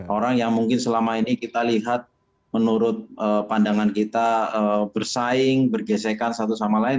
orang yang mungkin selama ini kita lihat menurut pandangan kita bersaing bergesekan satu sama lain